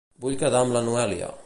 Vull quedar amb la Noèlia.